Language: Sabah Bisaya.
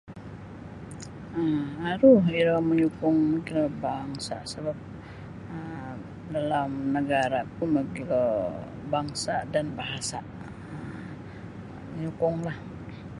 um aru iro manyukung da bangsa' sebap um dalam negaraku mogilo bangsa' dan bahasa' manyukunglah.